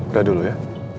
udah dulu ya